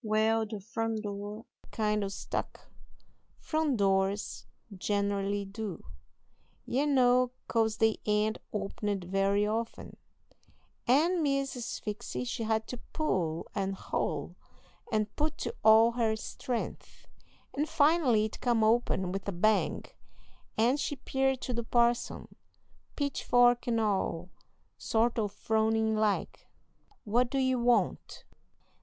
Wal, the front door kind o' stuck front doors generally do, ye know, 'cause they ain't opened very often and Miss Sphyxy she had to pull and haul and put to all her strength, and finally it come open with a bang, and she 'peared to the parson, pitchfork and all, sort o' frownin' like. "'What do you want?'